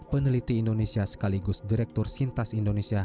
peneliti indonesia sekaligus direktur sintas indonesia